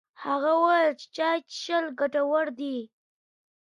هغه وويل چي چايي څښل ګټور دي.